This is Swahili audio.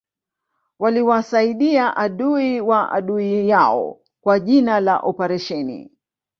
waliwasaidia adui wa adui yao kwa jina la oparesheni